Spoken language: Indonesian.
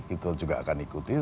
itu juga akan ikuti